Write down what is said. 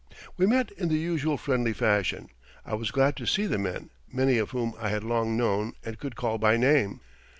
We met in the usual friendly fashion. I was glad to see the men, many of whom I had long known and could call by name.